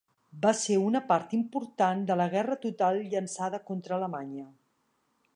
Va ser una part important de la guerra total llançada contra Alemanya.